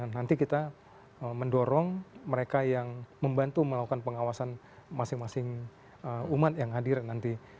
nanti kita mendorong mereka yang membantu melakukan pengawasan masing masing umat yang hadir nanti